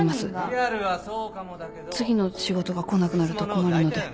次の仕事が来なくなると困るので。